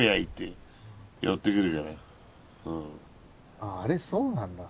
あああれそうなんだ。